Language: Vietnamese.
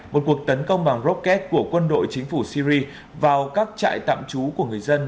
một cuộc tấn công bằng rocket của quân đội chính phủ syri vào các trại tạm trú của người dân